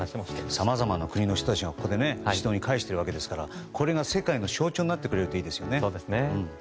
さまざまな国の人たちが一堂に会しているわけですからこれが世界の象徴になってくれるといいですよね。